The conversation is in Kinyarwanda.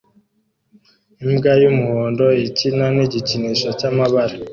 Imbwa yumuhondo ikina nigikinisho cyamabara